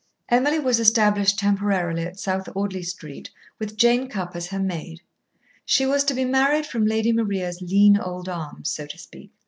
Emily was established temporarily at South Audley Street with Jane Cupp as her maid. She was to be married from Lady Maria's lean old arms, so to speak.